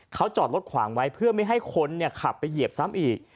เขาจอดรถขวางไว้เพื่อไม่ให้คนขับไปเหยียบซ้ำอีก